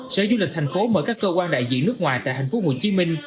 sở du lịch thành phố mở các cơ quan đại diện nước ngoài tại thành phố hồ chí minh